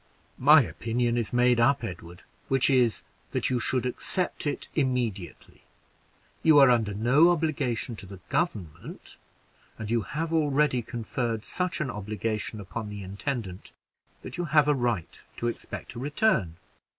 "My opinion is made up, Edward, which is that you should accept it immediately. You are under no obligation to the government, and you have already conferred such an obligation upon the intendant that you have a right to expect a return.